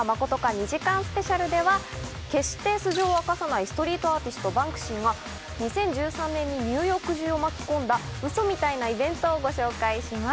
２時間ＳＰ』では決して素性を明かさないストリートアーティストバンクシーが２０１３年にニューヨーク中を巻き込んだウソみたいなイベントをご紹介します。